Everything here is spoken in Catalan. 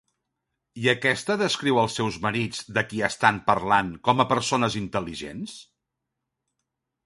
I aquesta descriu els seus marits, de qui estan parlant, com a persones intel·ligents?